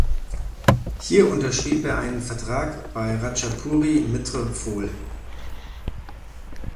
Hier unterschrieb er einen Vertrag bei Ratchaburi Mitr Phol.